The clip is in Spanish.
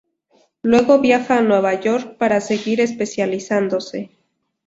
Luego viaja a Nueva York para seguir especializándose.